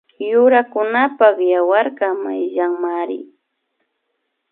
Yurakunapak yawarkaka wayllamari